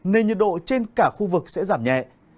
nên nhiệt độ trên cả khu vực sẽ giảm nhẹ